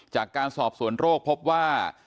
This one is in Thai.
จากการสอบสวนโรคพบว่า